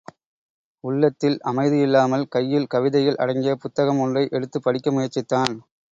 உள்ளத்தில் அமைதியில்லாமல், கையில் கவிதைகள் அடங்கிய புத்தகம் ஒன்றை எடுத்துப்படிக்க முயற்சித்தான்.